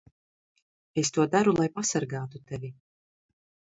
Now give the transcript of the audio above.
Es to daru, lai pasargātu tevi.